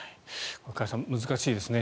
加谷さん難しいですね。